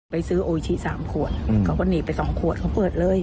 ไปซื้อโออิชิ๓ขวดเขาก็หนีไปสองขวดเขาเปิดเลย